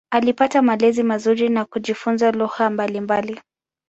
Alipata malezi mazuri na kujifunza lugha mbalimbali.